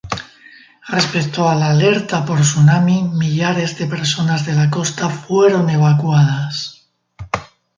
Respecto a la alerta por tsunami, millares de personas de la costa fueron evacuadas.